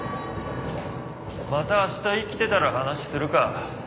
また明日生きてたら話するか。